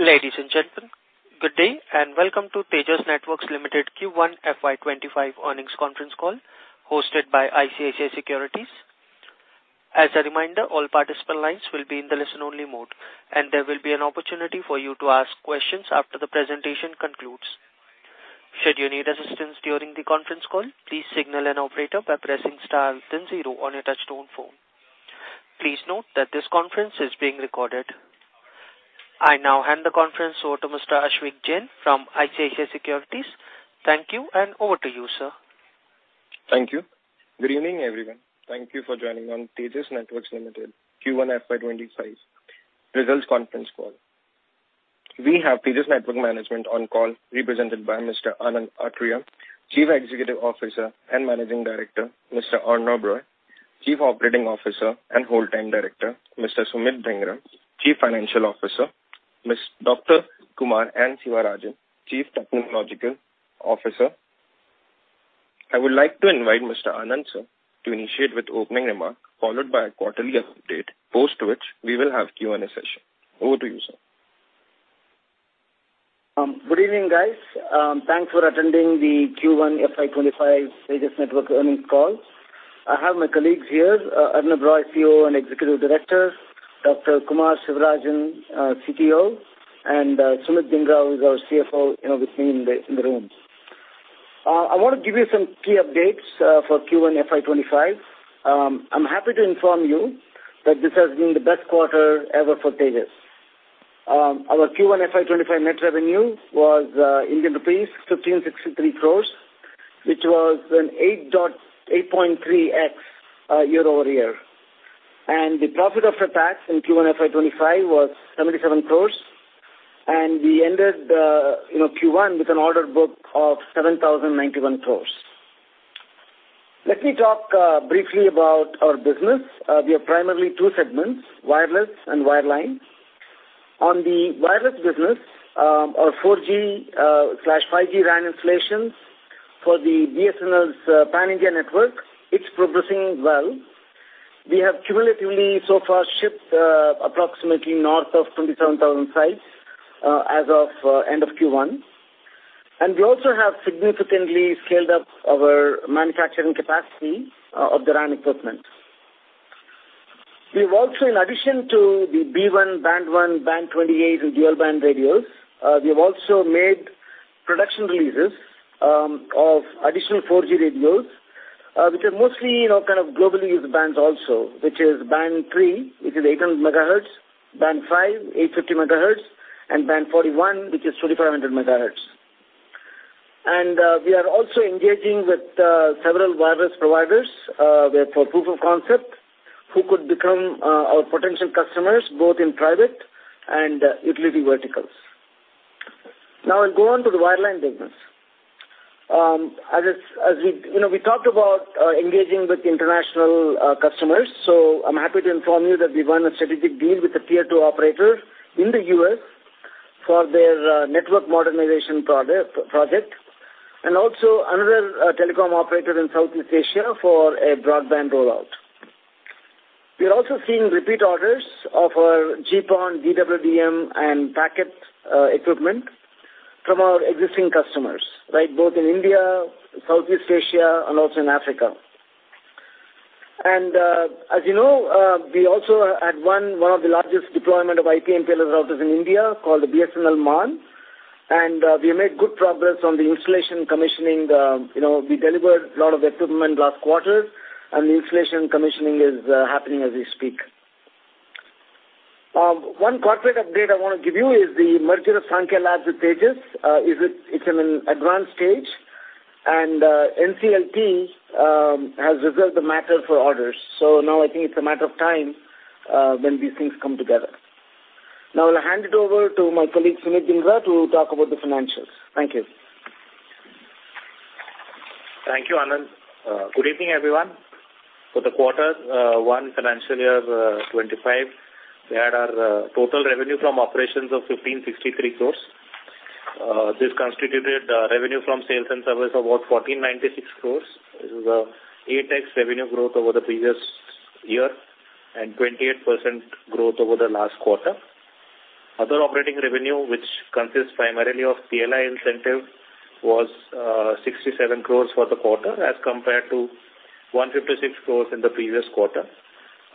Ladies and gentlemen, good day and welcome to Tejas Networks Limited Q1 FY25 Earnings Conference Call hosted by ICICI Securities. As a reminder, all participant lines will be in the listen-only mode, and there will be an opportunity for you to ask questions after the presentation concludes. Should you need assistance during the conference call, please signal an operator by pressing star then zero on your touch-tone phone. Please note that this conference is being recorded. I now hand the conference over to Mr. Ashvik Jain from ICICI Securities. Thank you, and over to you, sir. Thank you. Good evening, everyone. Thank you for joining on Tejas Networks Limited Q1 FY25 results conference call. We have Tejas Networks management on call, represented by Mr. Anand Athreya, Chief Executive Officer and Managing Director. Mr. Arnob Roy, Chief Operating Officer and Whole Time Director. Mr. Sumit Dhingra, Chief Financial Officer. Dr. Kumar N. Sivarajan, Chief Technology Officer. I would like to invite Mr. Anand, sir, to initiate with opening remarks, followed by a quarterly update, post which we will have a Q&A session. Over to you, sir. Good evening, guys. Thanks for attending the Q1 FY25 Tejas Networks earnings call. I have my colleagues here, Arnob Roy, CEO and Executive Director; Kumar N. Sivarajan, CTO; and Sumit Dhingra, who is our CFO, with me in the room. I want to give you some key updates for Q1 FY25. I'm happy to inform you that this has been the best quarter ever for Tejas. Our Q1 FY25 net revenue was Indian rupees 1,563 crores, which was an 8.3x YoY. The profit after tax in Q1 FY25 was 77 crores, and we ended Q1 with an order book of 7,091 crores. Let me talk briefly about our business. We have primarily two segments: wireless and wireline. On the wireless business, our 4G/5G RAN installations for the BSNL's Pan India network, it's progressing well. We have cumulatively so far shipped approximately north of 27,000 sites as of end of Q1. We also have significantly scaled up our manufacturing capacity of the RAN equipment. We have also, in addition to the B1, Band 1, Band 28, and dual-band radios, we have also made production releases of additional 4G radios, which are mostly kind of globally used bands also, which is Band 3, which is 800 MHz, Band 5, 850 MHz, and Band 41, which is 2,500 MHz. We are also engaging with several wireless providers for proof of concept who could become our potential customers both in private and utility verticals. Now, I'll go on to the wireline business. As we talked about engaging with international customers, so I'm happy to inform you that we've won a strategic deal with a Tier 2 operator in the US for their network modernization project, and also another telecom operator in Southeast Asia for a broadband rollout. We're also seeing repeat orders of our GPON, DWDM, and packet equipment from our existing customers, right, both in India, Southeast Asia, and also in Africa. As you know, we also had one of the largest deployments of IP/MPLS routers in India called the BSNL MAN, and we have made good progress on the installation commissioning. We delivered a lot of equipment last quarter, and the installation commissioning is happening as we speak. One corporate update I want to give you is the merger of Saankhya Labs with Tejas. It's in an advanced stage, and NCLT has resolved the matter for orders. So now I think it's a matter of time when these things come together. Now, I'll hand it over to my colleague, Sumit Dhingra, to talk about the financials. Thank you. Thank you, Anand. Good evening, everyone. For the quarter one financial year 2025, we had our total revenue from operations of 1,563 crores. This constituted revenue from sales and service of about 1,496 crores. This is an 8x revenue growth over the previous year and 28% growth over the last quarter. Other operating revenue, which consists primarily of PLI incentive, was 67 crores for the quarter as compared to 156 crores in the previous quarter.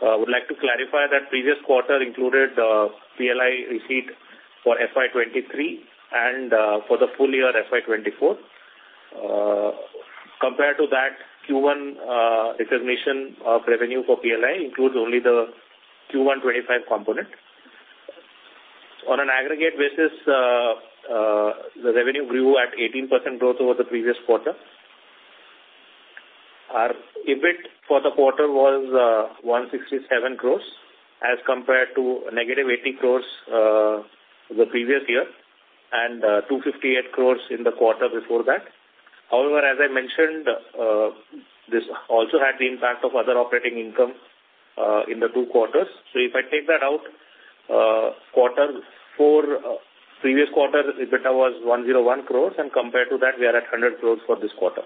I would like to clarify that the previous quarter included PLI receipt for FY 2023 and for the full year FY 2024. Compared to that, Q1 recognition of revenue for PLI includes only the Q1 2025 component. On an aggregate basis, the revenue grew at 18% growth over the previous quarter. Our EBITDA for the quarter was 167 crores as compared to negative 80 crores the previous year and 258 crores in the quarter before that. However, as I mentioned, this also had the impact of other operating income in the two quarters. So if I take that out, quarter four, previous quarter EBITDA was 101 crores, and compared to that, we are at 100 crores for this quarter.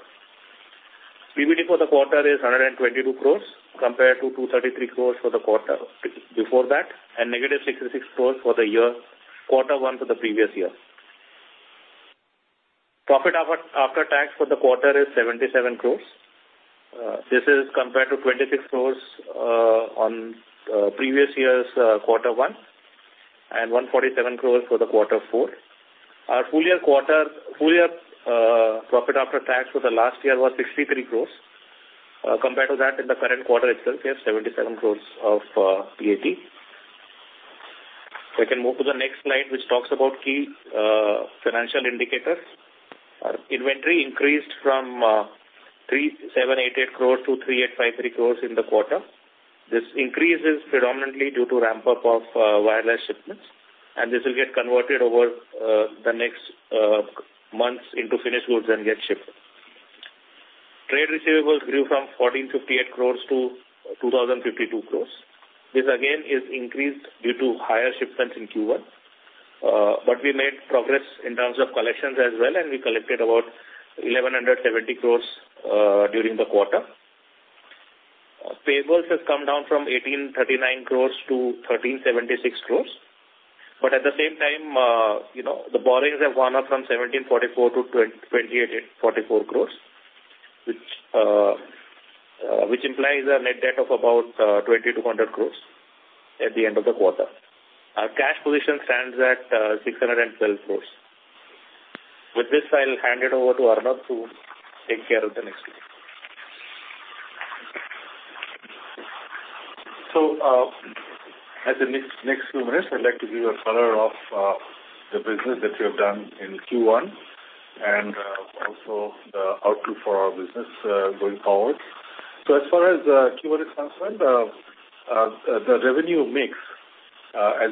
PBT for the quarter is 122 crores compared to 233 crores for the quarter before that and -66 crores for the quarter one for the previous year. Profit after tax for the quarter is 77 crores. This is compared to 26 crores on previous year's quarter one and 147 crores for the quarter four. Our full year profit after tax for the last year was 63 crores. Compared to that, in the current quarter itself, we have 77 crores of PAT. We can move to the next slide, which talks about key financial indicators. Our inventory increased from 3,788 crores-3,853 crores in the quarter. This increase is predominantly due to ramp-up of wireless shipments, and this will get converted over the next months into finished goods and get shipped. Trade receivables grew from 1,458 crores-2,052 crores. This, again, is increased due to higher shipments in Q1. But we made progress in terms of collections as well, and we collected about 1,170 crores during the quarter. Payables have come down from 1,839 crores-1,376 crores. But at the same time, the borrowings have gone up from 1,744 crores-2,844 crores, which implies a net debt of about 2,200 crores at the end of the quarter. Our cash position stands at 612 crores. With this, I'll hand it over to Arnob to take care of the next slide. So in the next few minutes, I'd like to give you a color of the business that you have done in Q1 and also the outlook for our business going forward. As far as Q1 is concerned, the revenue mix, as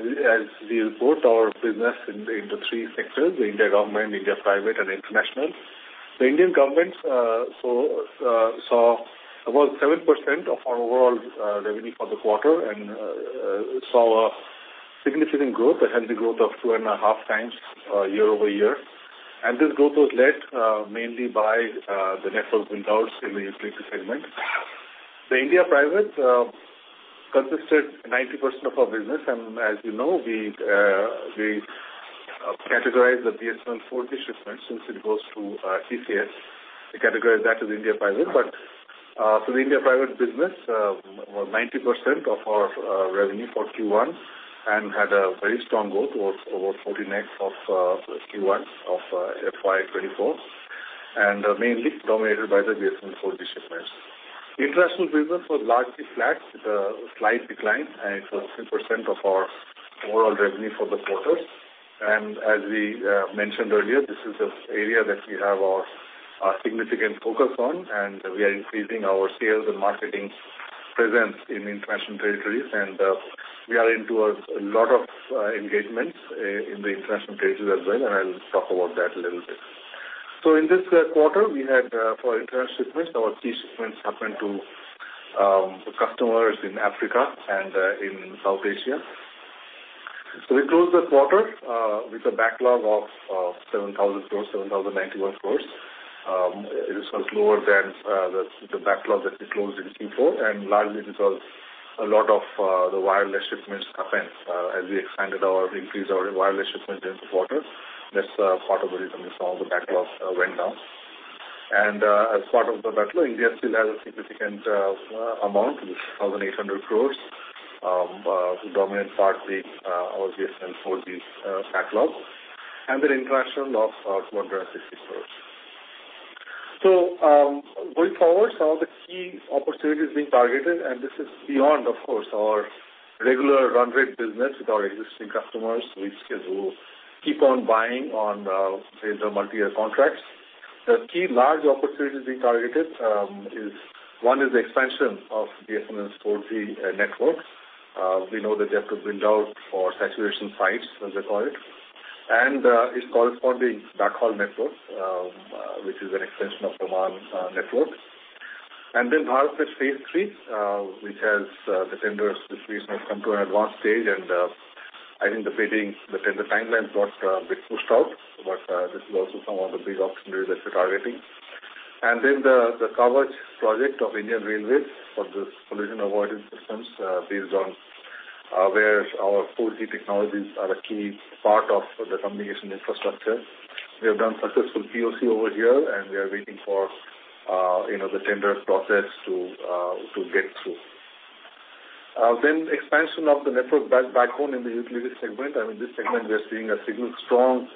we report our business into three sectors: the Indian government, India private, and international. The Indian government saw about 7% of our overall revenue for the quarter and saw a significant growth. It had the growth of 2.5x YoY. This growth was led mainly by the network wins in the utility segment. The India private consisted of 90% of our business, and as you know, we categorize the BSNL 4G shipments since it goes to TCS. We categorize that as India private. But for the India private business, 90% of our revenue for Q1 had a very strong growth, over 49% of Q1 of FY24, and mainly dominated by the BSNL 4G shipments. International business was largely flat with a slight decline, and it was 2% of our overall revenue for the quarter. As we mentioned earlier, this is an area that we have our significant focus on, and we are increasing our sales and marketing presence in international territories. We are into a lot of engagements in the international territories as well, and I'll talk about that a little bit. In this quarter, we had for international shipments, our key shipments happened to customers in Africa and in South Asia. We closed the quarter with a backlog of 7,000 crores, 7,091 crores. This was lower than the backlog that we closed in Q4, and largely because a lot of the wireless shipments happened as we expanded or increased our wireless shipments in the quarter. That's part of the reason some of the backlog went down. And as part of the backlog, India still has a significant amount, which is 1,800 crores, the dominant part being our BSNL 4G backlog, and then international of INR 260 crores. So going forward, some of the key opportunities being targeted, and this is beyond, of course, our regular run rate business with our existing customers. We still will keep on buying on the multi-year contracts. The key large opportunities being targeted is, one, the expansion of BSNL's 4G network. We know that they have to build out for saturation sites, as they call it, and its corresponding backhaul network, which is an extension of the MAN network. And then BharatNet phase III, which has the tenders this week have come to an advanced stage, and I think the bidding, the tender timeline's got a bit pushed out, but this is also some of the big opportunities that we're targeting. And then the Kavach project of Indian Railways for the collision avoidance systems based on where our 4G technologies are a key part of the communication infrastructure. We have done successful POC over here, and we are waiting for the tender process to get through. Then expansion of the network backbone in the utility segment. I mean, this segment, we are seeing a strong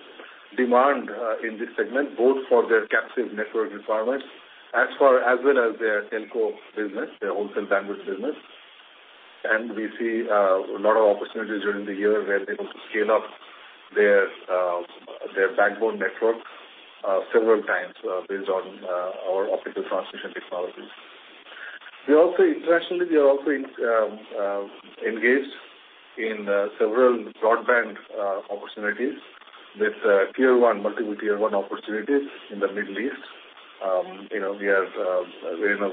demand in this segment, both for their captive network requirements as well as their telco business, their wholesale bandwidth business. We see a lot of opportunities during the year where they will scale up their backbone network several times based on our optical transmission technologies. We are also internationally, we are also engaged in several broadband opportunities with Tier 1, multiple Tier 1 opportunities in the Middle East. We are in a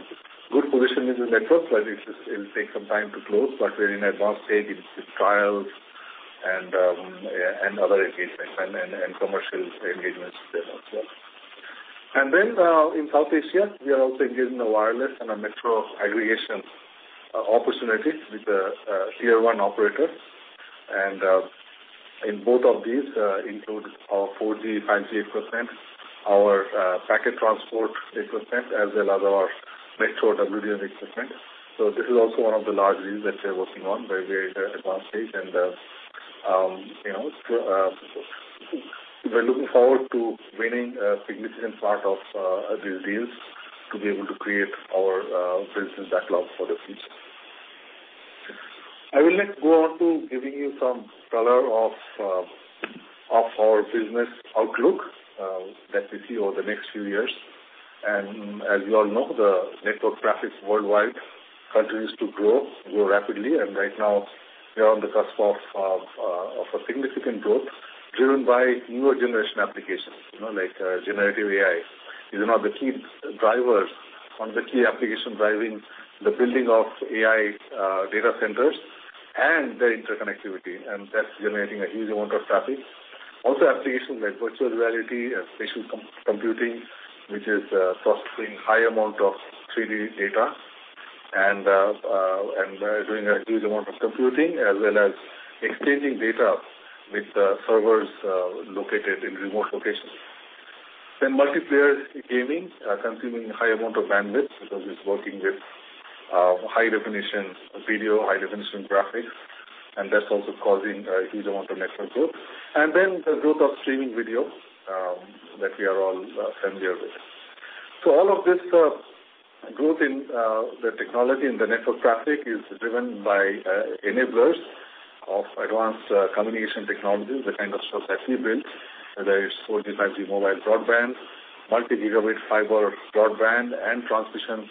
good position with the network, but it will take some time to close. But we're in advanced stage with trials and other engagements and commercial engagements there as well. And then in South Asia, we are also engaged in a wireless and a metro aggregation opportunity with the Tier 1 operator. And in both of these, include our 4G, 5G equipment, our packet transport equipment, as well as our metro DWDM equipment. So this is also one of the large deals that we're working on, where we're in the advanced stage. We're looking forward to winning a significant part of these deals to be able to create our business backlog for the future. I will let go on to giving you some color of our business outlook that we see over the next few years. As you all know, the network traffic worldwide continues to grow rapidly, and right now, we are on the cusp of a significant growth driven by newer generation applications like generative AI. These are now the key drivers, one of the key applications driving the building of AI data centers and the interconnectivity, and that's generating a huge amount of traffic. Also, applications like virtual reality and spatial computing, which is processing a high amount of 3D data and doing a huge amount of computing, as well as exchanging data with servers located in remote locations. Then multiplayer gaming are consuming a high amount of bandwidth because it's working with high-definition video, high-definition graphics, and that's also causing a huge amount of network growth. And then the growth of streaming video that we are all familiar with. So all of this growth in the technology and the network traffic is driven by enablers of advanced communication technologies, the kind of stuff that we build, whether it's 4G, 5G mobile broadband, multi-gigabit fiber broadband, and transmission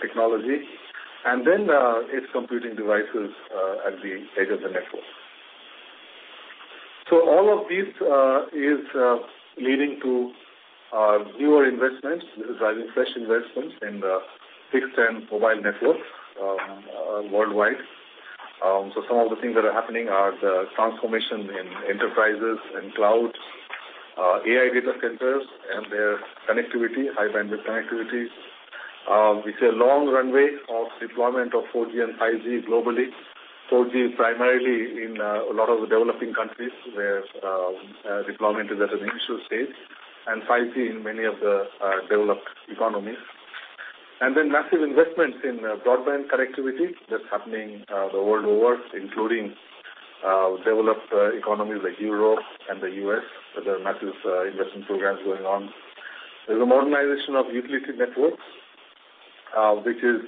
technology, and then its computing devices at the edge of the network. So all of this is leading to newer investments, driving fresh investments in the fixed and mobile networks worldwide. So some of the things that are happening are the transformation in enterprises and clouds, AI data centers, and their connectivity, high-bandwidth connectivity. We see a long runway of deployment of 4G and 5G globally. 4G is primarily in a lot of the developing countries where deployment is at an initial stage, and 5G in many of the developed economies. And then massive investments in broadband connectivity that's happening the world over, including developed economies like Europe and the U.S., where there are massive investment programs going on. There's a modernization of utility networks, which is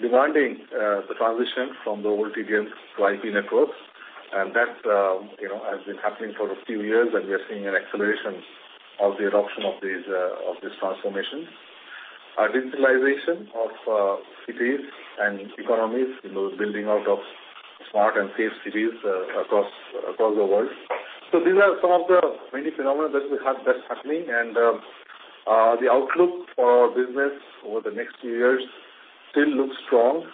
demanding the transition from the old TDM to IP networks, and that has been happening for a few years, and we are seeing an acceleration of the adoption of this transformation. Digitalization of cities and economies, building out of smart and safe cities across the world. So these are some of the many phenomena that we have that's happening, and the outlook for our business over the next few years still looks strong.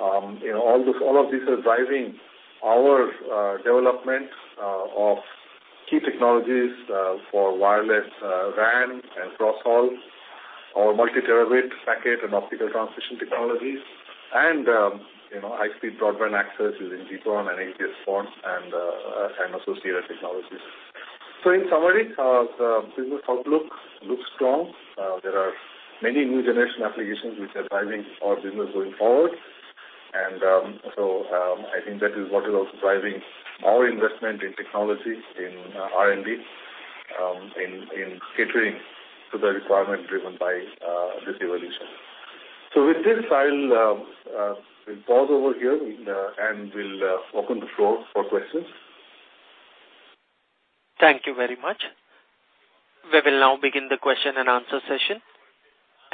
All of this is driving our development of key technologies for wireless RAN and crosshaul, our multi-terabit packet and optical transmission technologies, and high-speed broadband access using GPON and XGS-PON and associated technologies. So in summary, the business outlook looks strong. There are many new generation applications which are driving our business going forward. And so I think that is what is also driving our investment in technology, in R&D, in catering to the requirement driven by this evolution. So with this, I'll pause over here, and we'll open the floor for questions. Thank you very much. We will now begin the question and answer session.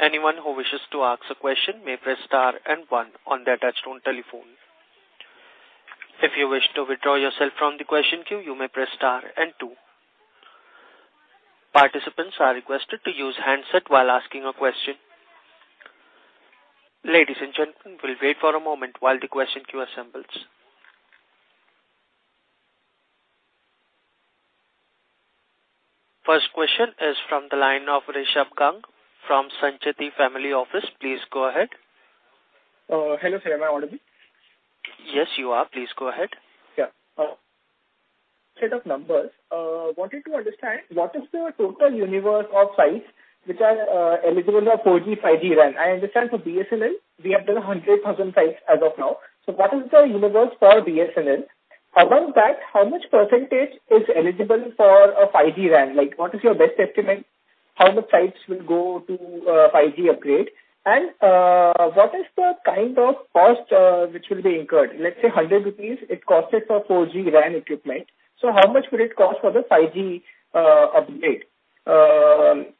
Anyone who wishes to ask a question may press star and one on their touch-tone telephone. If you wish to withdraw yourself from the question queue, you may press star and two. Participants are requested to use handset while asking a question. Ladies and gentlemen, we'll wait for a moment while the question queue assembles. First question is from the line of Rishabh Garg from Sancheti Family Office. Please go ahead. Hello, sir. Am I audible? Yes, you are. Please go ahead. Yeah. Set of numbers. Wanted to understand what is the total universe of sites which are eligible for 4G, 5G RAN. I understand for BSNL, we have done 100,000 sites as of now. So what is the universe for BSNL? Above that, how much percentage is eligible for a 5G RAN? What is your best estimate? How much sites will go to 5G upgrade? And what is the kind of cost which will be incurred? Let's say 100 rupees, it costs it for 4G RAN equipment. So how much would it cost for the 5G upgrade?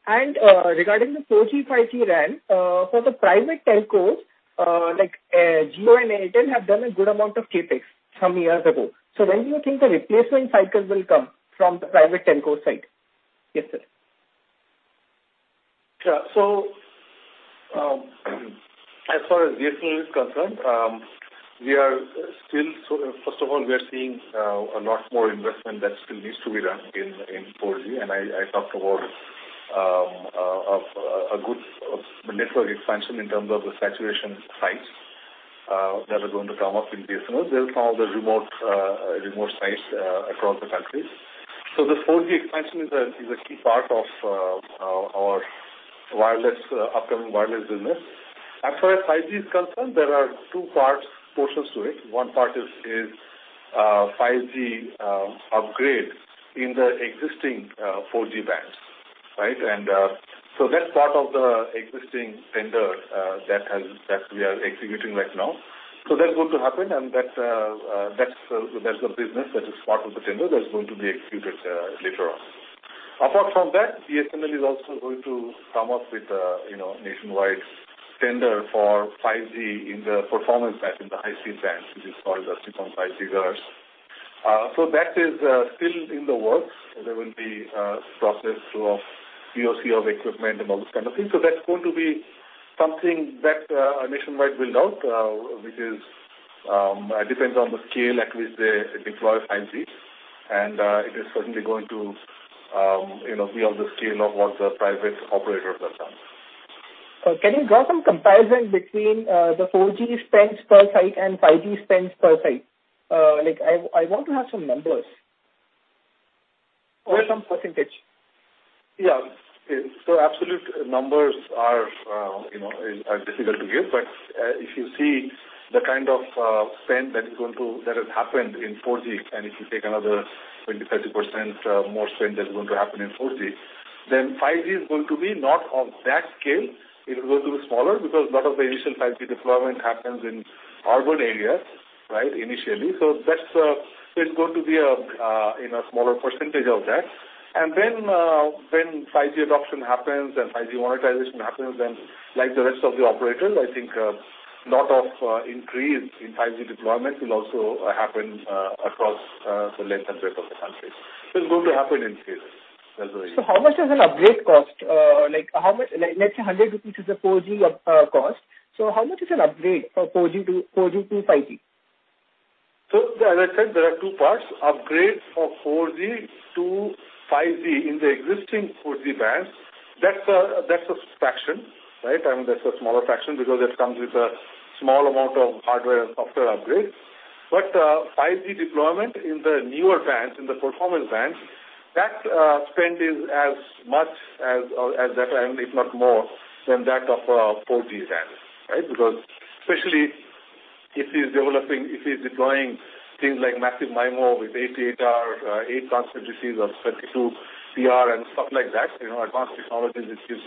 And regarding the 4G, 5G RAN, for the private telcos, like GO and Airtel have done a good amount of capex some years ago. So when do you think the replacement cycle will come from the private telco side? Yes, sir. Yeah. So as far as BSNL is concerned, we are still, first of all, we are seeing a lot more investment that still needs to be done in 4G. And I talked about a good network expansion in terms of the saturation sites that are going to come up in BSNL. There are some of the remote sites across the country. So the 4G expansion is a key part of our upcoming wireless business. As far as 5G is concerned, there are two parts, portions to it. One part is 5G upgrade in the existing 4G bands, right? And so that's part of the existing tender that we are executing right now. So that's going to happen, and that's the business that is part of the tender that's going to be executed later on. Apart from that, BSNL is also going to come up with a nationwide tender for 5G in the performance band, in the high-speed band, which is called the 3.5 GHz. So that is still in the works. There will be a process of POC of equipment and all those kind of things. So that's going to be something that a nationwide build-out, which depends on the scale at which they deploy 5G. And it is certainly going to be on the scale of what the private operators have done. Can you draw some comparison between the 4G spends per site and 5G spends per site? I want to have some numbers. Or some percentage. Yeah. So absolute numbers are difficult to give, but if you see the kind of spend that has happened in 4G, and if you take another 20%-30% more spend that's going to happen in 4G, then 5G is going to be not of that scale. It will go to be smaller because a lot of the initial 5G deployment happens in urban areas, right, initially. So it's going to be in a smaller percentage of that. And then when 5G adoption happens and 5G monetization happens, then like the rest of the operators, I think a lot of increase in 5G deployment will also happen across the length and breadth of the country. So it's going to happen in phases. So how much does an upgrade cost? Let's say 100 rupees is the 4G cost. So how much is an upgrade for 4G to 5G? So as I said, there are two parts. Upgrade for 4G-5G in the existing 4G band, that's a fraction, right? I mean, that's a smaller fraction because it comes with a small amount of hardware and software upgrades. But 5G deployment in the newer bands, in the performance bands, that spend is as much as that, if not more, than that of 4G band, right? Because especially if he's deploying things like massive MIMO with 8T8R, 8 connectivities of 2x2 MIMO and stuff like that, advanced technologies which use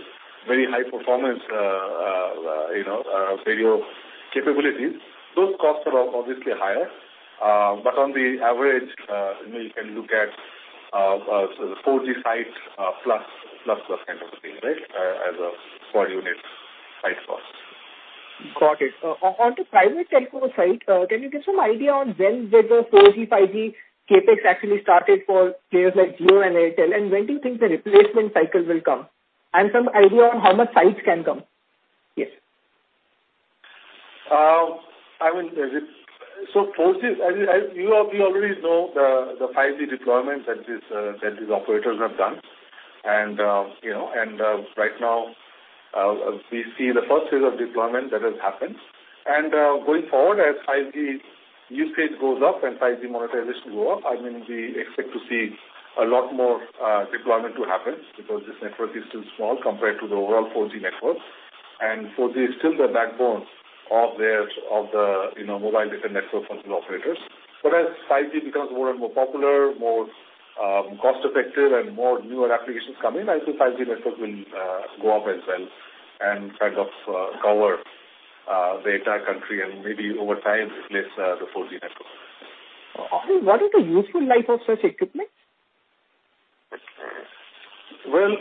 very high-performance radio capabilities, those costs are obviously higher. But on the average, you can look at 4G site plus kind of a thing, right, as a per unit site cost. Got it. On the private telco side, can you give some idea on when did the 4G, 5G CapEx actually started for players like GO and Airtel? And when do you think the replacement cycle will come? And some idea on how much sites can come? Yes. I mean, so 4G, as you already know, the 5G deployment that these operators have done. Going forward, as 5G usage goes up and 5G monetization goes up, I mean, we expect to see a lot more deployment to happen because this network is still small compared to the overall 4G network. And 4G is still the backbone of the mobile data network for these operators. But as 5G becomes more and more popular, more cost-effective, and more newer applications come in, I think 5G network will go up as well and kind of cover the entire country and maybe over time replace the 4G network. What is the useful life of such equipment? Well,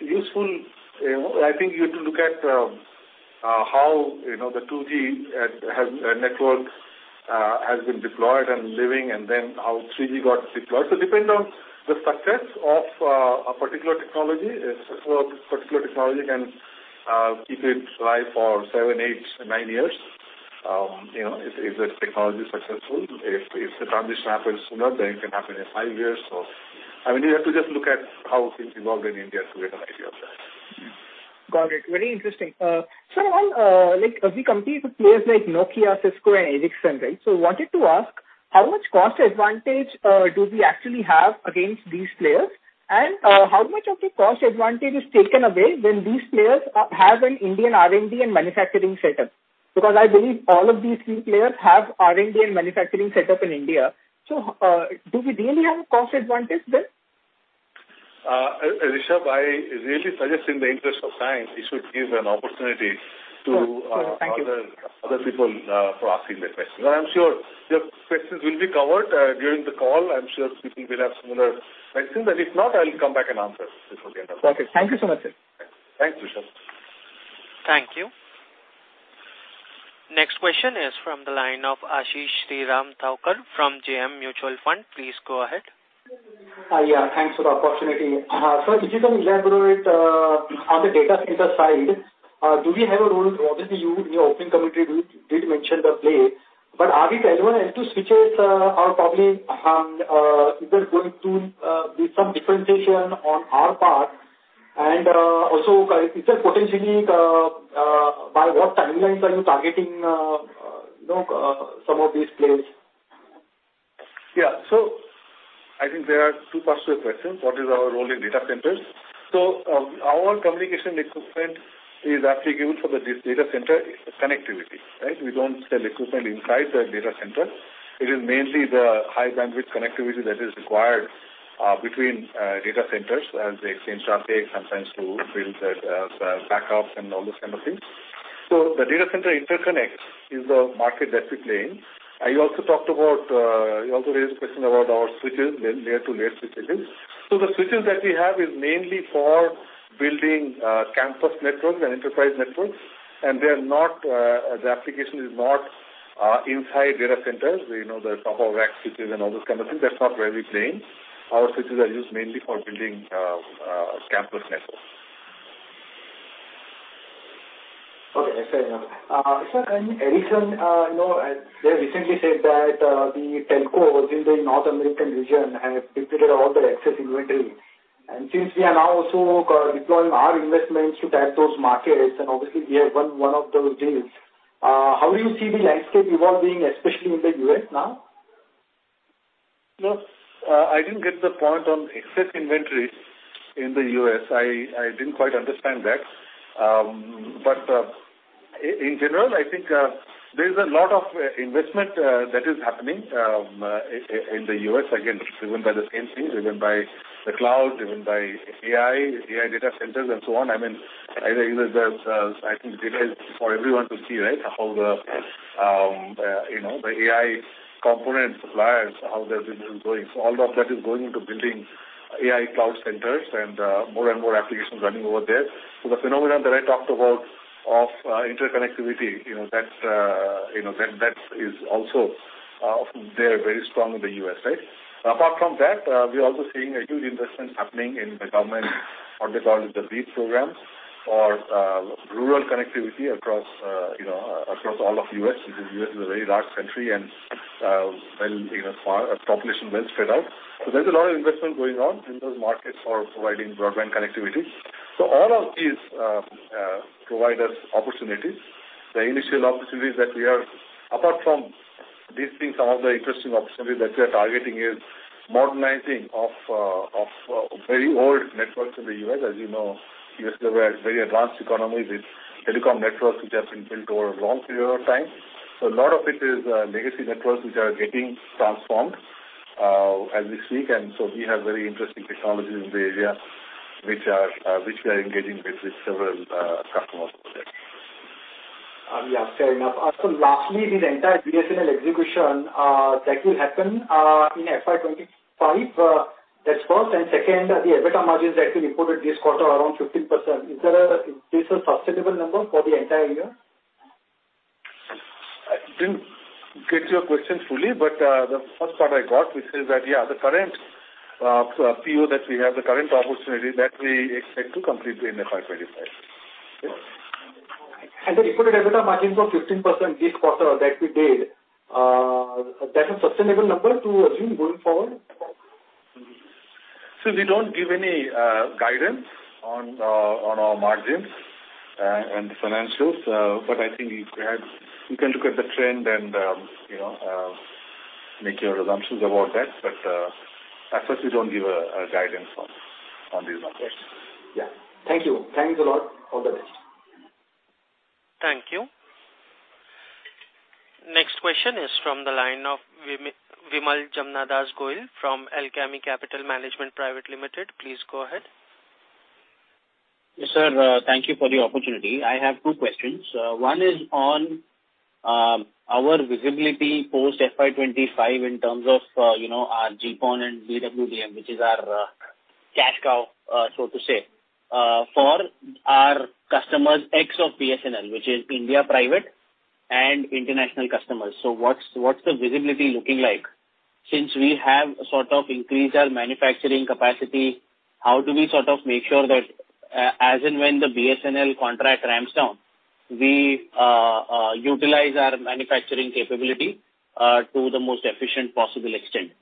useful, I think you have to look at how the 2G network has been deployed and living, and then how 3G got deployed. So depending on the success of a particular technology, if a particular technology can keep it live for 7, 8, 9 years, if the technology is successful, if the transition happens sooner, then it can happen in 5 years. So I mean, you have to just look at how things evolve in India to get an idea of that. Got it. Very interesting. Sir, as we compete with players like Nokia, Cisco, and Ericsson, right? So I wanted to ask, how much cost advantage do we actually have against these players? And how much of the cost advantage is taken away when these players have an Indian R&D and manufacturing setup? Because I believe all of these three players have R&D and manufacturing setup in India. So do we really have a cost advantage then? Rishabh, I really suggest in the interest of time, we should give an opportunity to other people for asking the questions. I'm sure your questions will be covered during the call. I'm sure people will have similar questions. If not, I'll come back and answer before the end of the call. Got it. Thank you so much, sir. Thanks, Rishabh. Thank you. Next question is from the line of Aasish Sriram Thakur from JM Mutual Fund. Please go ahead. Yeah. Thanks for the opportunity. Sir, could you kind of elaborate on the data center side? Do we have a role? Obviously, you in your opening commentary did mention the play. But are these L1, L2 switches probably either going to be some differentiation on our part? And also, is there potentially by what timelines are you targeting some of these players? Yeah. So I think there are two parts to the question. What is our role in data centers? So our communication equipment is applicable for the data center connectivity, right? We don't sell equipment inside the data center. It is mainly the high-bandwidth connectivity that is required between data centers as they exchange traffic, sometimes to build backups and all those kind of things. So the data center interconnect is the market that we play in. I also talked about you also raised the question about our switches, layer-to-layer switches. So the switches that we have is mainly for building campus networks and enterprise networks. And the application is not inside data centers. We know the top-of-rack switches and all those kind of things. That's not where we play in. Our switches are used mainly for building campus networks. Okay. Excellent. Sir, Ericsson, they recently said that the telcos in the North American region have depleted all the excess inventory. And since we are now also deploying our investments to tap those markets, and obviously, we have won one of those deals, how do you see the landscape evolving, especially in the US now? Yeah. I didn't get the point on excess inventory in the U.S. I didn't quite understand that. But in general, I think there's a lot of investment that is happening in the U.S., again, driven by the same thing, driven by the cloud, driven by AI, AI data centers, and so on. I mean, I think the data is for everyone to see, right, how the AI component suppliers, how their business is going. So all of that is going into building AI cloud centers and more and more applications running over there. So the phenomenon that I talked about of interconnectivity, that is also there very strong in the U.S., right? Apart from that, we are also seeing a huge investment happening in the government, what they call the BEAD program, for rural connectivity across all of the U.S., because the U.S. is a very large country and population well spread out. So there's a lot of investment going on in those markets for providing broadband connectivity. So all of these provide us opportunities. The initial opportunities that we are, apart from these being some of the interesting opportunities that we are targeting, is modernizing of very old networks in the U.S. As you know, U.S. is a very advanced economy with telecom networks which have been built over a long period of time. So a lot of it is legacy networks which are getting transformed as we speak. And so we have very interesting technologies in the area which we are engaging with several customers for that. Yeah. Fair enough. So lastly, the entire BSNL execution that will happen in FY25, that's first. And second, the EBITDA margins that we reported this quarter are around 15%. Is this a sustainable number for the entire year? I didn't get your question fully, but the first part I got, which is that, yeah, the current PO that we have, the current opportunity that we expect to complete in FY25. You put an EBITDA margin for 15% this quarter that we did. That's a sustainable number to assume going forward? See, we don't give any guidance on our margins and financials. But I think you can look at the trend and make your assumptions about that. But as such, we don't give a guidance on these numbers. Yeah. Thank you. Thanks a lot for the test. Thank you. Next question is from the line of Vimal Jamnadas Gohil from Alchemy Capital Management Private Limited. Please go ahead. Sir, thank you for the opportunity. I have two questions. One is on our visibility post FY25 in terms of our GPON and DWDM, which is our cash cow, so to say, for our customers ex-BSNL, which is Indian private and international customers. So what's the visibility looking like? Since we have sort of increased our manufacturing capacity, how do we sort of make sure that as and when the BSNL contract ramps down, we utilize our manufacturing capability to the most efficient possible extent?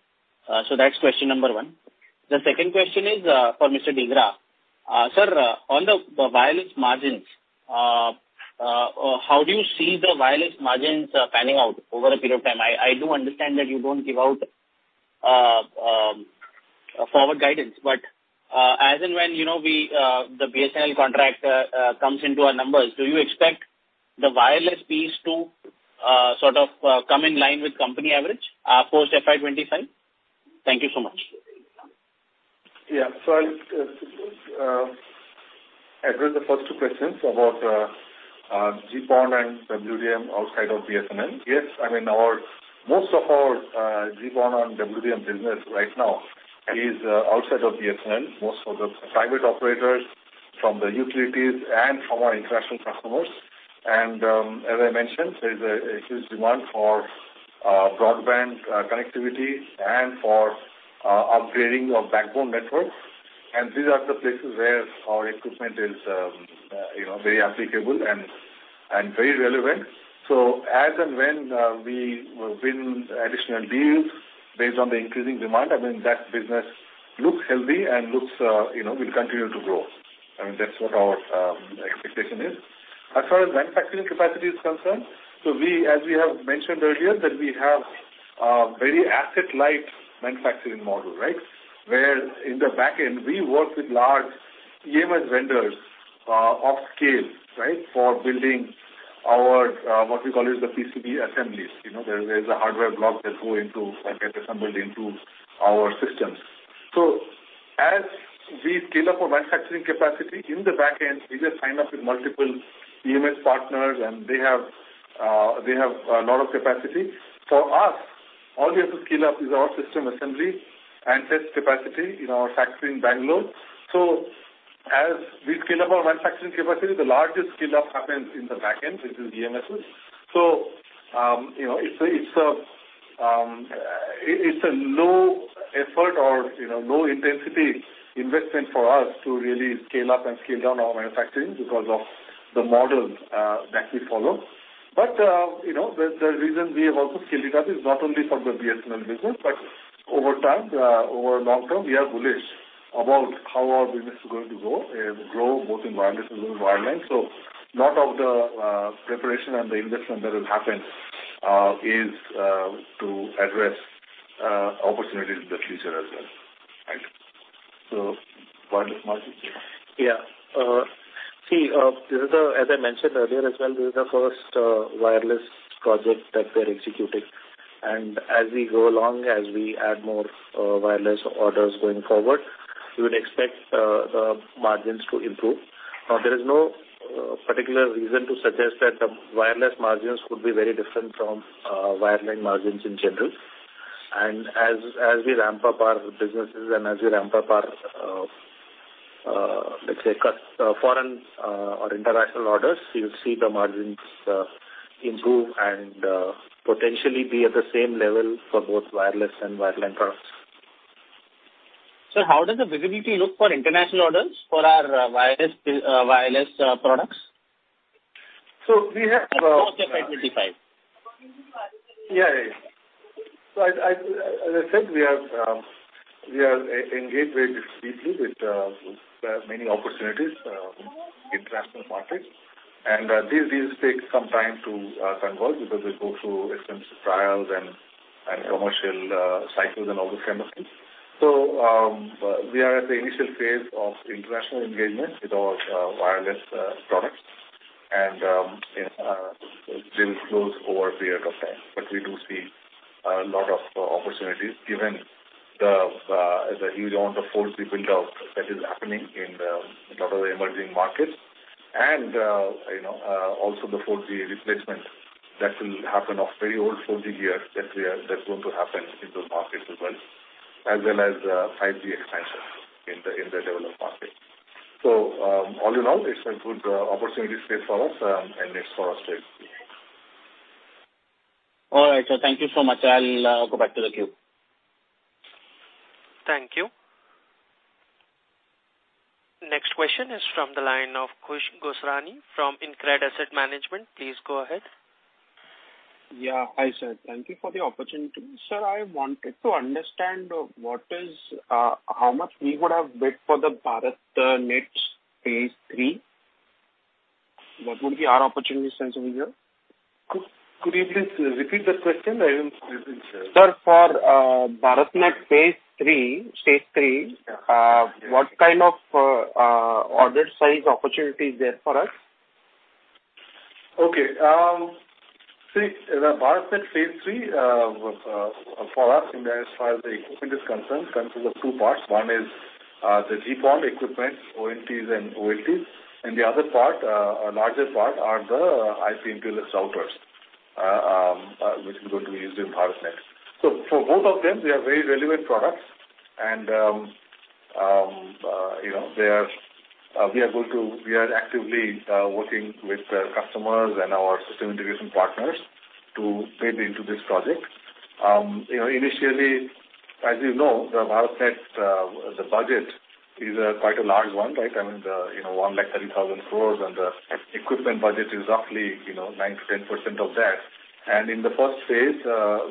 So that's question number one. The second question is for Mr. Dhingra. Sir, on the wireless margins, how do you see the wireless margins panning out over a period of time? I do understand that you don't give out forward guidance. But as and when the BSNL contract comes into our numbers, do you expect the wireless piece to sort of come in line with company average post FY25? Thank you so much. Yeah. So I'll address the first two questions about GPON and WDM outside of BSNL. Yes. I mean, most of our GPON and WDM business right now is outside of BSNL, most of the private operators from the utilities and from our international customers. And as I mentioned, there's a huge demand for broadband connectivity and for upgrading of backbone networks. And these are the places where our equipment is very applicable and very relevant. So as and when we win additional deals based on the increasing demand, I mean, that business looks healthy and will continue to grow. I mean, that's what our expectation is. As far as manufacturing capacity is concerned, so as we have mentioned earlier, that we have a very asset-light manufacturing model, right, where in the back end, we work with large EMS vendors off-scale, right, for building our what we call as the PCB assemblies. There's a hardware block that goes into assembled into our systems. So as we scale up our manufacturing capacity in the back end, we just sign up with multiple EMS partners, and they have a lot of capacity. For us, all we have to scale up is our system assembly and test capacity in our factory in Bangalore. So as we scale up our manufacturing capacity, the largest scale-up happens in the back end, which is EMSs. So it's a low effort or low-intensity investment for us to really scale up and scale down our manufacturing because of the model that we follow. But the reason we have also scaled it up is not only for the BSNL business, but over time, over long term, we are bullish about how our business is going to grow, both in wireless and wireline. So a lot of the preparation and the investment that will happen is to address opportunities in the future as well. Right? So wireless market. Yeah. See, as I mentioned earlier as well, this is the first wireless project that we're executing. And as we go along, as we add more wireless orders going forward, we would expect the margins to improve. There is no particular reason to suggest that the wireless margins would be very different from wireline margins in general. As we ramp up our businesses and as we ramp up our, let's say, foreign or international orders, you'll see the margins improve and potentially be at the same level for both wireless and wireline products. Sir, how does the visibility look for international orders for our wireless products? So we have. Post FY25. Yeah, yeah, yeah. So as I said, we are engaged very deeply with many opportunities in international markets. And these deals take some time to convert because they go through extensive trials and commercial cycles and all those kind of things. So we are at the initial phase of international engagement with our wireless products. And they will close over a period of time. But we do see a lot of opportunities given the huge amount of 4G build-out that is happening in a lot of the emerging markets. And also the 4G replacement that will happen of very old 4G gear that's going to happen in those markets as well, as well as 5G expansion in the developed market. So all in all, it's a good opportunity space for us, and it's for us to execute. All right. Sir, thank you so much. I'll go back to the queue. Thank you. Next question is from the line of Khush Gosrani from InCred Asset Management. Please go ahead. Yeah. Hi, sir. Thank you for the opportunity. Sir, I wanted to understand how much we would have bid for the BharatNet phase III. What would be our opportunity sense over here? Could you please repeat the question? I didn't understand. Sir, for BharatNet phase III, stage 3, what kind of order size opportunity is there for us? Okay. See, the BharatNet phase III for us, as far as the equipment is concerned, consists of two parts. One is the GPON equipment, ONTs and OLTs. The other part, a larger part, are the IP/MPLS routers, which are going to be used in BharatNet. So for both of them, they are very relevant products. We are going to be actively working with customers and our system integration partners to bid into this project. Initially, as you know, the BharatNet, the budget is quite a large one, right? I mean, 130,000 crore, and the equipment budget is roughly 9%-10% of that. In the first phase,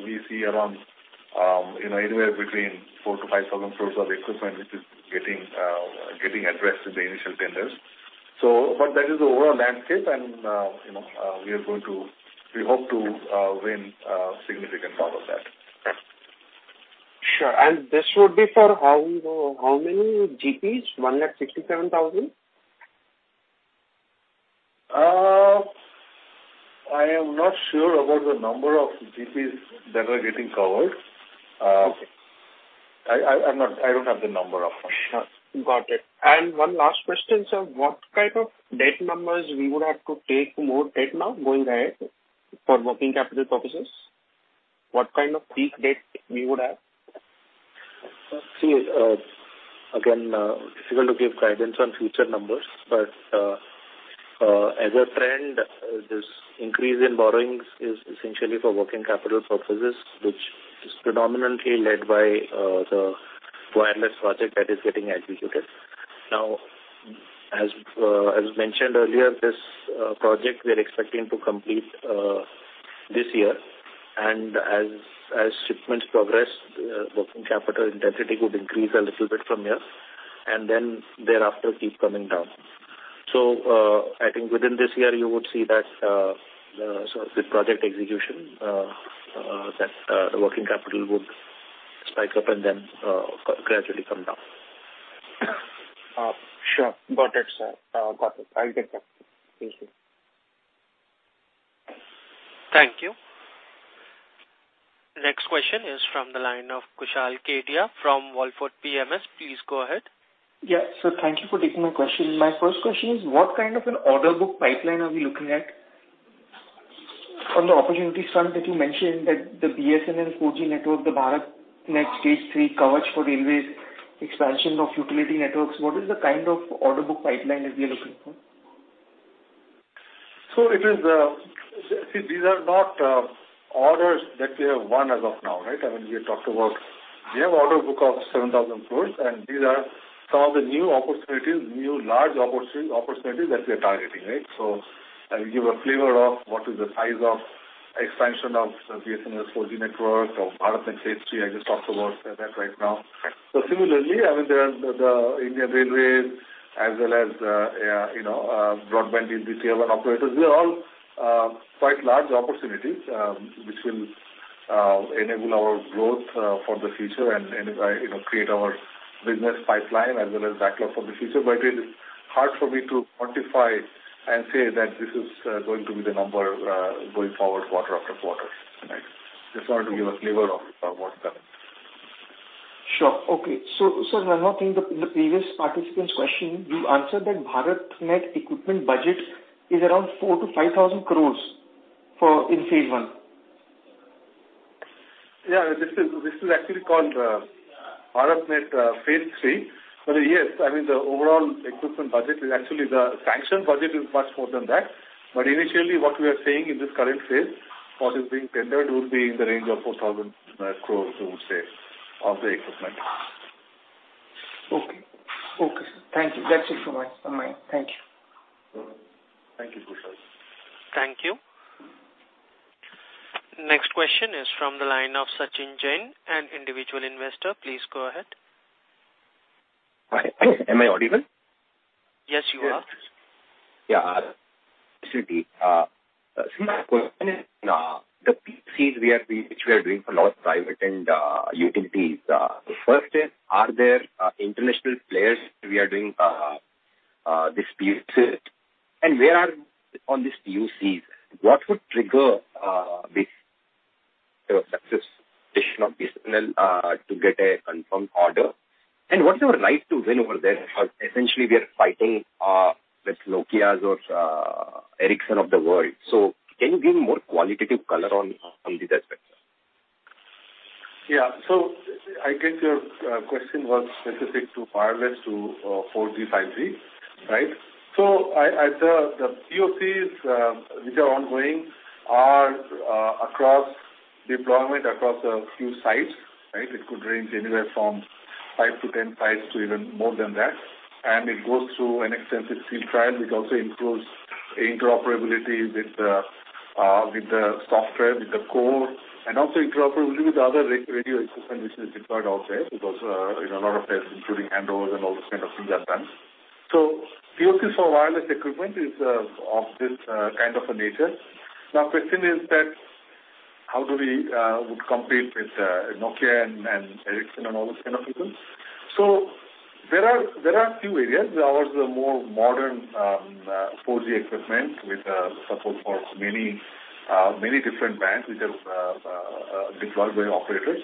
we see around anywhere between 4,000-5,000 crore of equipment, which is getting addressed in the initial tenders. That is the overall landscape, and we are going to—we hope to win a significant part of that. Sure. And this would be for how many GPs? 167,000? I am not sure about the number of GPs that are getting covered. I don't have the number up front. Got it. And one last question, sir. What kind of debt numbers we would have to take more debt now going ahead for working capital purposes? What kind of peak debt we would have? See, again, difficult to give guidance on future numbers. But as a trend, this increase in borrowings is essentially for working capital purposes, which is predominantly led by the wireless project that is getting executed. Now, as mentioned earlier, this project we are expecting to complete this year. And as shipments progress, working capital intensity would increase a little bit from here, and then thereafter keep coming down. So I think within this year, you would see that with project execution, that the working capital would spike up and then gradually come down. Sure. Got it, sir. Got it. I'll take that. Thank you. Thank you. Next question is from the line of Kushal Kedia from Wallfort PMS. Please go ahead. Yeah. Sir, thank you for taking my question. My first question is, what kind of an order book pipeline are we looking at? On the opportunity front that you mentioned that the BSNL 4G network, the BharatNet phase III coverage for railways expansion of utility networks, what is the kind of order book pipeline that we are looking for? So it is, see, these are not orders that we have won as of now, right? I mean, we have talked about we have an order book of 7,000 crore, and these are some of the new opportunities, new large opportunities that we are targeting, right? So I'll give a flavor of what is the size of expansion of the BSNL 4G network of BharatNet phase III. I just talked about that right now. But similarly, I mean, the Indian Railways as well as broadband DTH and operators, they're all quite large opportunities which will enable our growth for the future and create our business pipeline as well as backlog for the future. But it is hard for me to quantify and say that this is going to be the number going forward quarter after quarter. I just wanted to give a flavor of what's coming. Sure. Okay. So sir, one more thing. In the previous participant's question, you answered that BharatNet equipment budget is around 4,000 crore-5,000 crore in phase I. Yeah. This is actually called BharatNet phase III. But yes, I mean, the overall equipment budget is actually the sanctioned budget is much more than that. But initially, what we are seeing in this current phase, what is being tendered would be in the range of 4,000 crore, I would say, of the equipment. Okay. Okay. Thank you. That's it from my side. Thank you. Thank you, Kushal. Thank you. Next question is from the line of Sachin Jain, an individual investor. Please go ahead. Am I audible? Yes, you are. Yeah. Actually, see, my question is the POCs which we are doing for a lot of private telcos and utilities. The first is, are there international players that we are doing this POC? And where are we on these POCs? What would trigger this success of BSNL to get a confirmed order? And what is our right to win over there? Essentially, we are fighting with Nokias or Ericsson of the world. So can you give more qualitative color on these aspects? Yeah. So I guess your question was specific to wireless to 4G, 5G, right? So the POCs which are ongoing are across deployment across a few sites, right? It could range anywhere from 5 to 10 sites to even more than that. And it goes through an extensive field trial, which also improves interoperability with the software, with the core, and also interoperability with other radio equipment which is deployed out there because a lot of tests, including handovers and all those kind of things, are done. So POCs for wireless equipment is of this kind of a nature. Now, the question is that how do we compete with Nokia and Ericsson and all those kind of people? So there are a few areas. There are more modern 4G equipment with support for many different bands which are deployed by operators.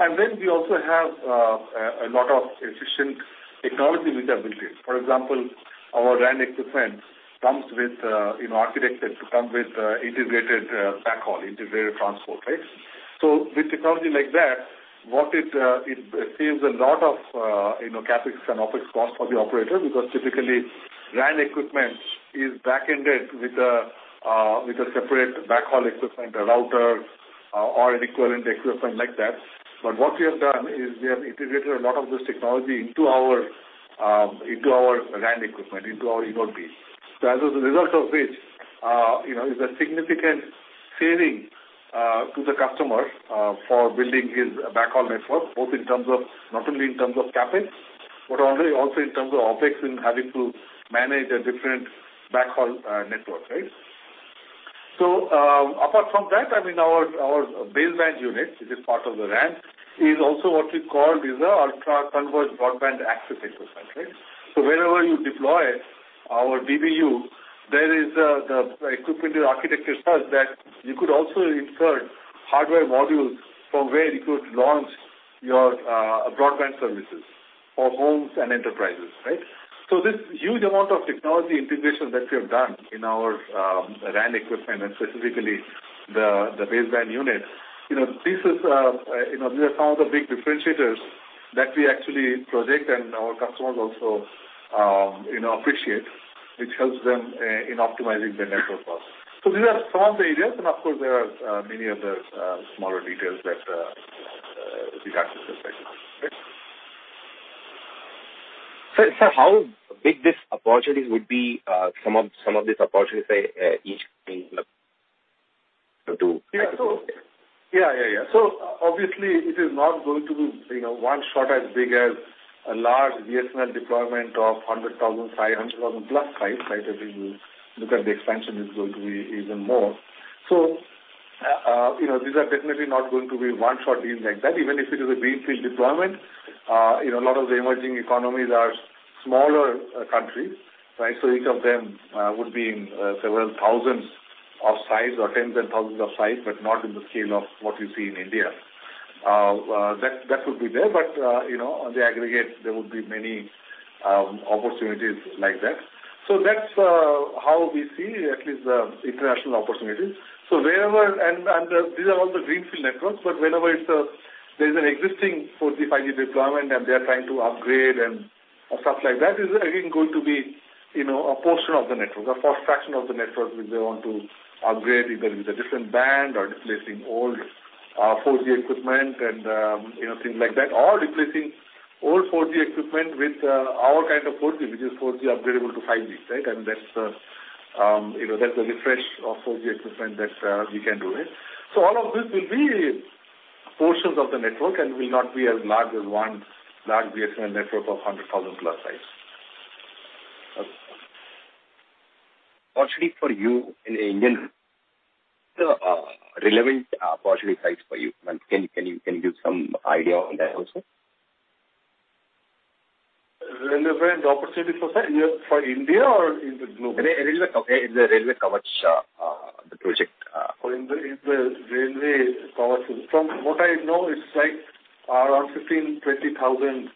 And then we also have a lot of efficient technology which are built in. For example, our RAN equipment comes with architecture to come with integrated backhaul, integrated transport, right? So with technology like that, what it saves a lot of CapEx and OpEx costs for the operator because typically, RAN equipment is back-ended with a separate backhaul equipment, a router, or an equivalent equipment like that. But what we have done is we have integrated a lot of this technology into our RAN equipment, into our CPO. So as a result of which, it's a significant saving to the customer for building his backhaul network, both in terms of not only in terms of CapEx, but also in terms of OpEx in having to manage a different backhaul network, right? Apart from that, I mean, our baseband unit, which is part of the RAN, is also what we call the ultra-converged broadband access equipment, right? Wherever you deploy our BBU, there is the equipment architecture such that you could also insert hardware modules from where you could launch your broadband services for homes and enterprises, right? This huge amount of technology integration that we have done in our RAN equipment and specifically the baseband unit, these are some of the big differentiators that we actually project and our customers also appreciate, which helps them in optimizing their network costs. These are some of the areas. Of course, there are many other smaller details that we have to perspective, right? Sir, how big these opportunities would be? Some of these opportunities, each being to. Yeah, yeah, yeah. So obviously, it is not going to be one shot as big as a large BSNL deployment of 100,000 sites, 100,000+ sites, right? If you look at the expansion, it's going to be even more. So these are definitely not going to be one-shot deals like that. Even if it is a greenfield deployment, a lot of the emerging economies are smaller countries, right? So each of them would be in several thousands of sites or tens and thousands of sites, but not in the scale of what you see in India. That would be there. But on the aggregate, there would be many opportunities like that. So that's how we see at least the international opportunities. And these are all the greenfield networks. But whenever there's an existing 4G, 5G deployment and they are trying to upgrade and stuff like that, it is again going to be a portion of the network, a fraction of the network which they want to upgrade, either with a different band or replacing old 4G equipment and things like that, or replacing old 4G equipment with our kind of 4G, which is 4G upgradable to 5G, right? I mean, that's the refresh of 4G equipment that we can do, right? So all of this will be portions of the network and will not be as large as one large BSNL network of 100,000+ sites. Opportunity for you in India—the relevant opportunity sites for you. Can you give some idea on that also? Relevant opportunity for India or in the global? In the railway coverage, the project. In the railway coverage. From what I know, it's like around 15,000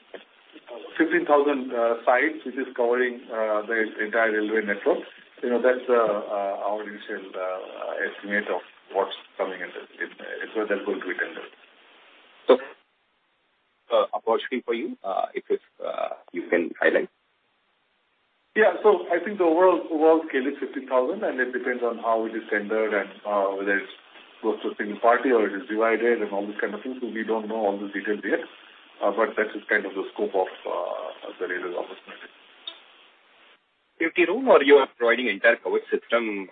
sites which is covering the entire railway network. That's our initial estimate of what's coming and where they're going to be tendered. So opportunity for you, if you can highlight? Yeah. So I think the overall scale is 15,000, and it depends on how it is tendered and whether it goes to a single party or it is divided and all those kind of things. We don't know all those details yet. But that is kind of the scope of the railway opportunity. Do you have to provide an entire coverage system?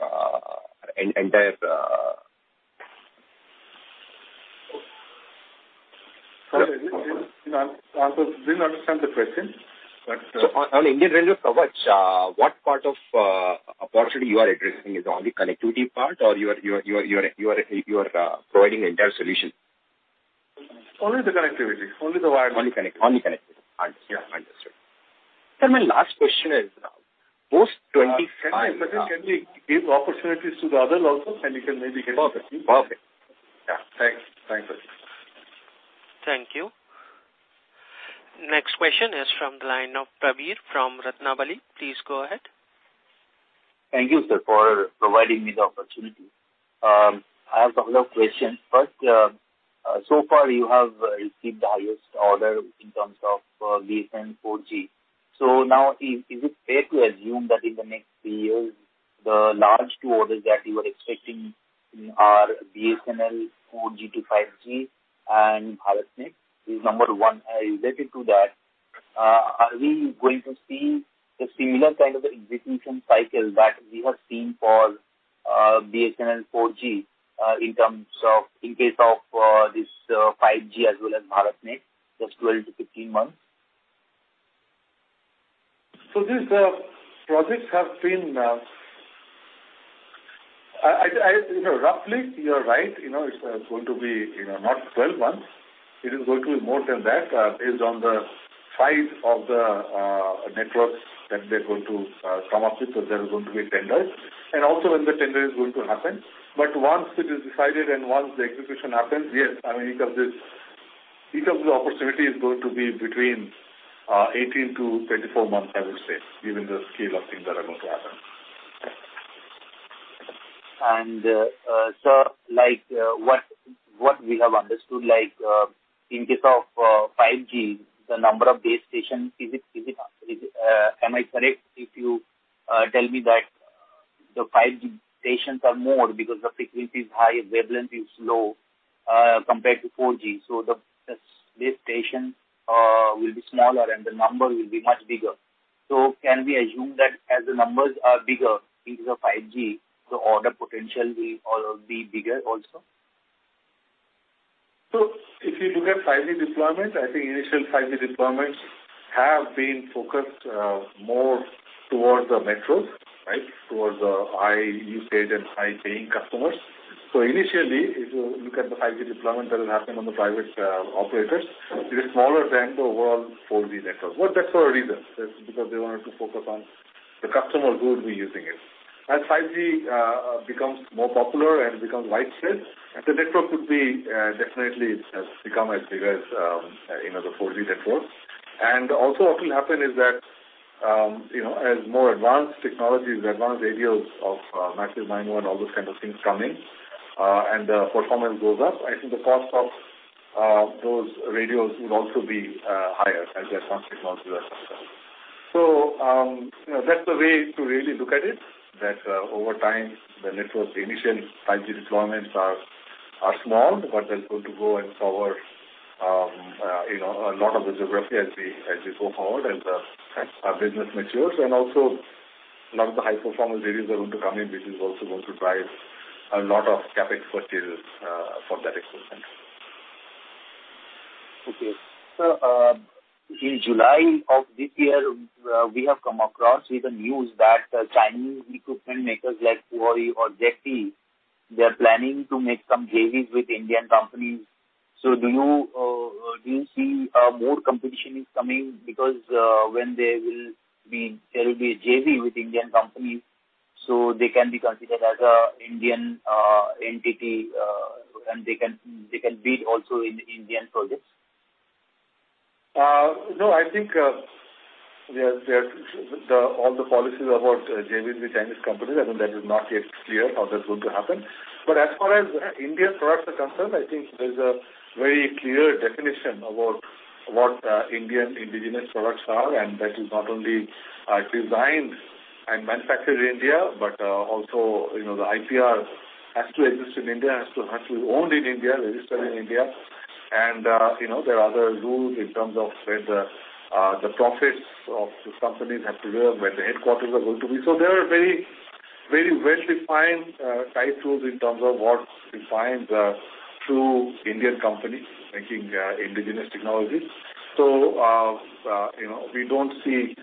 Sorry. I didn't understand the question, but. So on Indian Railways coverage, what part of opportunity you are addressing is only connectivity part, or you are providing the entire solution? Only the connectivity. Only the wireless. Only connectivity. Yeah. Understood. Sir, my last question is, post-2020. I can give opportunities to the others also, and you can maybe get it. Perfect. Perfect. Yeah. Thanks. Thanks, sir. Thank you. Next question is from the line of Praveen from Ratnabali. Please go ahead. Thank you, sir, for providing me the opportunity. I have a couple of questions. But so far, you have received the highest order in terms of BSNL 4G. So now, is it fair to assume that in the next few years, the large two orders that you are expecting are BSNL 4G to 5G and BharatNet is number one? Related to that, are we going to see the similar kind of execution cycle that we have seen for BSNL 4G in terms of in case of this 5G as well as BharatNet just 12-15 months? So these projects have been roughly, you're right. It's going to be not 12 months. It is going to be more than that based on the size of the networks that they're going to come up with because there are going to be tenders and also when the tender is going to happen. But once it is decided and once the execution happens, yes, I mean, each of these opportunities is going to be between 18-24 months, I would say, given the scale of things that are going to happen. Sir, what we have understood, in case of 5G, the number of base stations, am I correct if you tell me that the 5G stations are more because the frequency is high, wavelength is low compared to 4G? The base stations will be smaller and the number will be much bigger. Can we assume that as the numbers are bigger in the 5G, the order potential will be bigger also? So if you look at 5G deployment, I think initial 5G deployments have been focused more towards the metros, right, towards the high-usage and high-paying customers. So initially, if you look at the 5G deployment that will happen on the private operators, it is smaller than the overall 4G network. But that's for a reason. That's because they wanted to focus on the customer who would be using it. As 5G becomes more popular and becomes widespread, the network would definitely become as big as the 4G network. And also, what will happen is that as more advanced technologies, advanced radios of massive MIMO and all those kind of things come in and the performance goes up, I think the cost of those radios will also be higher as the advanced technologies are coming up. So that's the way to really look at it, that over time, the initial 5G deployments are small, but they're going to go and cover a lot of the geography as we go forward as the business matures. And also, a lot of the high-performance radios are going to come in, which is also going to drive a lot of CapEx purchases for that equipment. Okay. Sir, in July of this year, we have come across even news that Chinese equipment makers like Huawei or ZTE, they're planning to make some JVs with Indian companies. So do you see more competition is coming? Because when there will be a JV with Indian companies, so they can be considered as an Indian entity and they can bid also in Indian projects? No, I think all the policies about JVs with Chinese companies, I think that is not yet clear how that's going to happen. But as far as Indian products are concerned, I think there's a very clear definition of what Indian indigenous products are. And that is not only designed and manufactured in India, but also the IPR has to exist in India, has to be owned in India, registered in India. And there are other rules in terms of where the profits of the companies have to live, where the headquarters are going to be. So there are very well-defined type rules in terms of what defines the true Indian company making indigenous technologies. So we don't see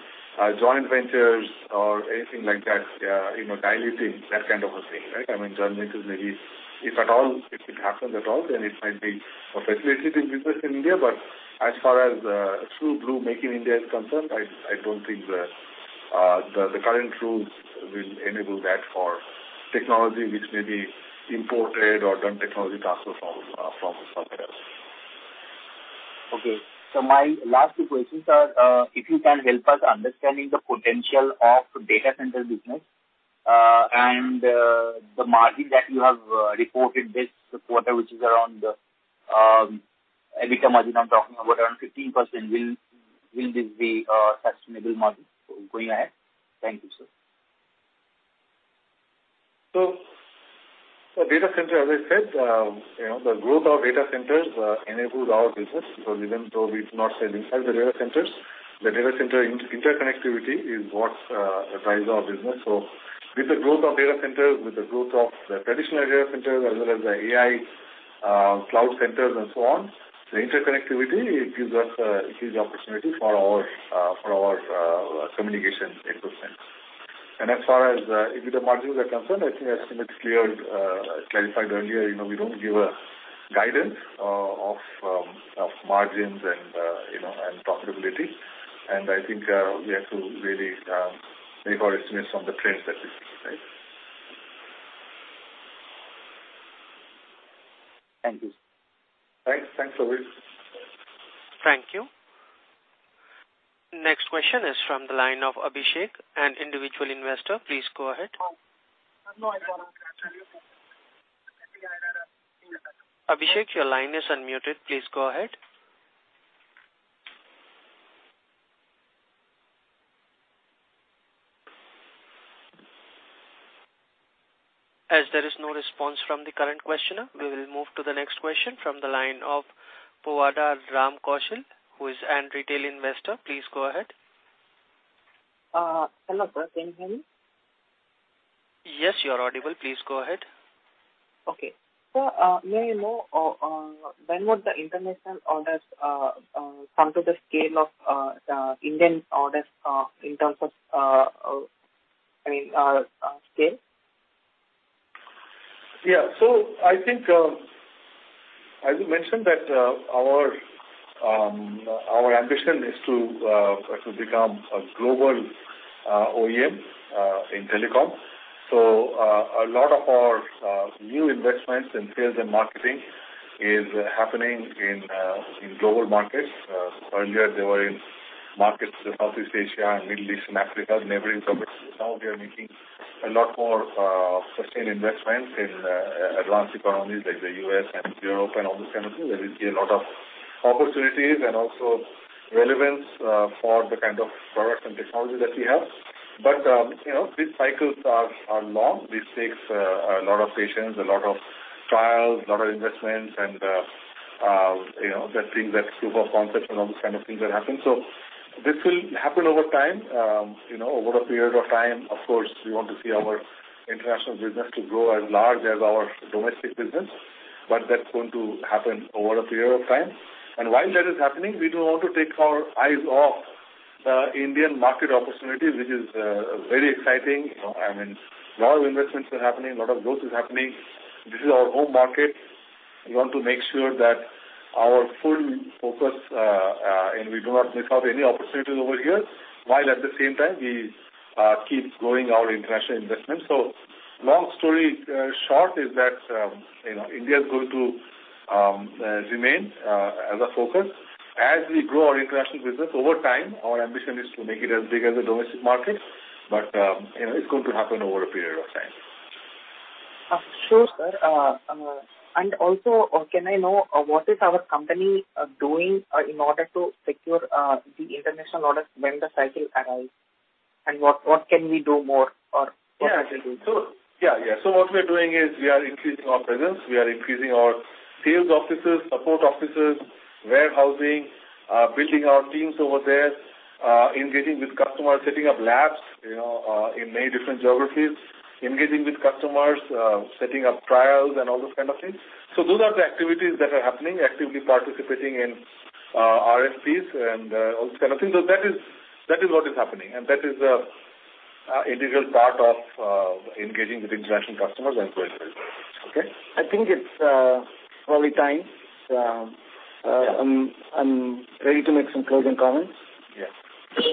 joint ventures or anything like that diluting that kind of a thing, right? I mean, joint ventures maybe, if at all, if it happens at all, then it might be a facilitative business in India. But as far as true blue Make in India is concerned, I don't think the current rules will enable that for technology which may be imported or done technology transfer from somewhere else. Okay. So my last two questions, sir, if you can help us understand the potential of data center business and the margin that you have reported this quarter, which is around the EBITDA margin I'm talking about, around 15%, will this be a sustainable margin going ahead? Thank you, sir. So data center, as I said, the growth of data centers enables our business. So even though we do not sell inside the data centers, the data center interconnectivity is what drives our business. So with the growth of data centers, with the growth of the traditional data centers as well as the AI cloud centers and so on, the interconnectivity gives us a huge opportunity for our communication equipment. And as far as EBITDA margins are concerned, I think as it's cleared, clarified earlier, we don't give a guidance of margins and profitability. And I think we have to really make our estimates from the trends that we see, right? Thank you. Thanks. Thanks, Praveen. Thank you. Next question is from the line of Abhishek, an individual investor. Please go ahead. Abhishek, your line is unmuted. Please go ahead. As there is no response from the current questioner, we will move to the next question from the line of Pavadram Kaushal, who is a retail investor. Please go ahead. Hello, sir. Can you hear me? Yes, you are audible. Please go ahead. Okay. Sir, may I know when would the international orders come to the scale of Indian orders in terms of, I mean, scale? Yeah. So I think, as you mentioned, that our ambition is to become a global OEM in telecom. So a lot of our new investments in sales and marketing are happening in global markets. Earlier, they were in markets in Southeast Asia and Middle East and Africa, neighboring countries. Now, we are making a lot more sustained investments in advanced economies like the U.S. and Europe and all those kind of things. There is a lot of opportunities and also relevance for the kind of products and technology that we have. But these cycles are long. This takes a lot of patience, a lot of trials, a lot of investments, and that thing that proof of concept and all those kind of things that happen. So this will happen over time. Over a period of time, of course, we want to see our international business to grow as large as our domestic business. But that's going to happen over a period of time. While that is happening, we do want to take our eyes off the Indian market opportunity, which is very exciting. I mean, a lot of investments are happening. A lot of growth is happening. This is our home market. We want to make sure that our full focus and we do not miss out any opportunities over here, while at the same time, we keep growing our international investments. So long story short is that India is going to remain as a focus. As we grow our international business over time, our ambition is to make it as big as the domestic market. But it's going to happen over a period of time. Sure, sir. And also, can I know what is our company doing in order to secure the international orders when the cycle arrives? And what can we do more or what has been doing? Yeah. Sure. Yeah. Yeah. So what we are doing is we are increasing our presence. We are increasing our sales offices, support offices, warehousing, building our teams over there, engaging with customers, setting up labs in many different geographies, engaging with customers, setting up trials, and all those kind of things. So those are the activities that are happening, actively participating in RFPs and all those kind of things. So that is what is happening. And that is an integral part of engaging with international customers and going forward. Okay? I think it's probably time. I'm ready to make some closing comments. Yeah.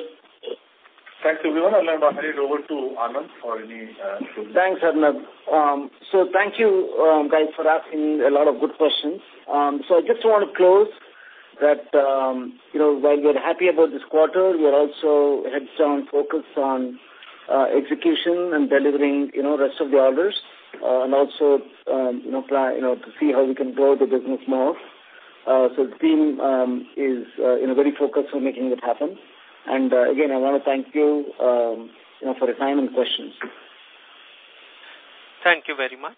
Thanks, everyone. I'll hand it over to Anand for any questions. Thanks, Arnob. Thank you, guys, for asking a lot of good questions. I just want to close that while we're happy about this quarter, we are also heads down, focused on execution and delivering the rest of the orders and also to see how we can grow the business more. The team is very focused on making it happen. Again, I want to thank you for your time and questions. Thank you very much.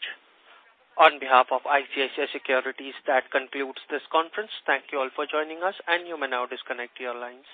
On behalf of ICICI Securities, that concludes this conference. Thank you all for joining us, and you may now disconnect your lines.